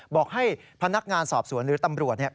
บอกให้พนักงานสอบสวนหรือตำรวจเนี่ย